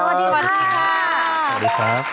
สวัสดีค่ะ